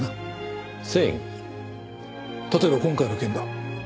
例えば今回の件だ。